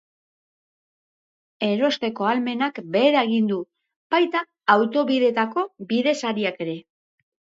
Erosteko ahalmenak behera egin du, baita autobideetako bidesariek ere.